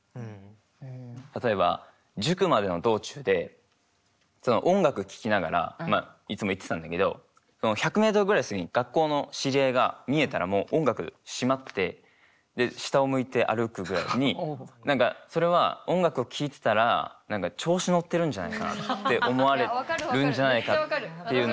例えば塾までの道中で音楽聴きながらいつも行ってたんだけど１００メートルぐらい先に学校の知り合いが見えたらもう音楽しまって下を向いて歩くくらいに何かそれは音楽を聴いてたら何か調子乗ってるんじゃないかって思われるんじゃないかっていうのが。